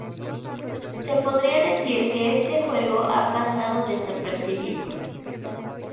Se podría decir que este juego ha pasado desapercibido.